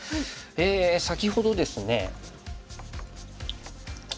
先ほどですね。